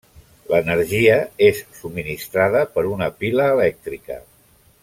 L'energia és subministrada per una pila elèctrica.